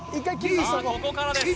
ここからです